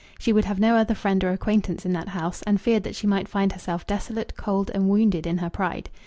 She would have no other friend or acquaintance in that house, and feared that she might find herself desolate, cold, and wounded in her pride.